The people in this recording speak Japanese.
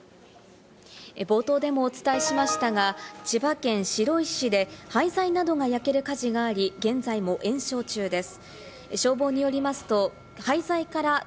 冒頭でもお伝えしましたが、千葉県白井市で廃材などが焼ける火事があり、現在も延焼中です。